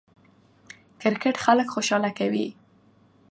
کرکټ خلک خوشحاله کوي.